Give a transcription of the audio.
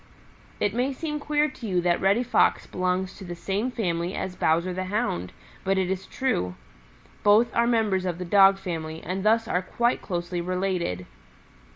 "It may seem queer to you that Reddy Fox belongs to the same family as Bowser the Hound, but it is true. Both are members of the Dog family and thus are quite closely related.